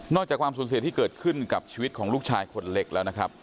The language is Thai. อกจากความสูญเสียที่เกิดขึ้นกับชีวิตของลูกชายคนเล็กแล้วนะครับ